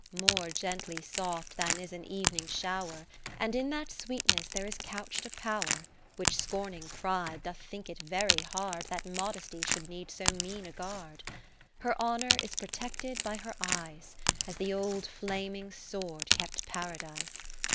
(536) More gently soft than is an evening shower : 41 And in that sweetness there is coucht a power, Which scorning Pride, doth think it very hard That modesty should need so mean a guard. Her Honour is protected by her eyes, As the old Flaming Sword kept Paradise.